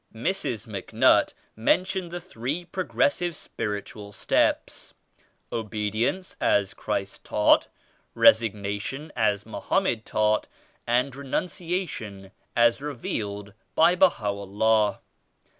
Mrs. MacNutt mentioned the three pro gressive spiritual steps — Obedience as Christ taught; Resignation as Mohammed taught; and Renunciation as revealed by Baha'u'llah.